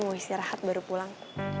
mau istirahat baru pulang